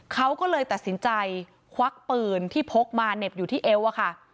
เขาก็เลยตัดสินใจควักปืนที่พกมาเหน็บอยู่ที่เอวอะค่ะ